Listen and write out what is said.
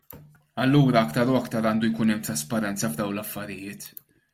Allura aktar u aktar għandu jkun hemm trasparenza f'dawn l-affarijiet!